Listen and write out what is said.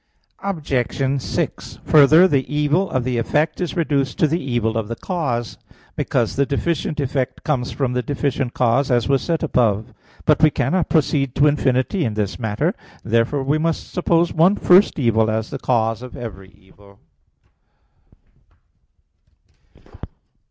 Obj. 6: Further, the evil of the effect is reduced to the evil of the cause; because the deficient effect comes from the deficient cause, as was said above (AA. 1, 2). But we cannot proceed to infinity in this matter. Therefore, we must suppose one first evil as the cause of every evil.